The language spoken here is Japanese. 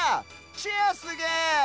チェアすげえ！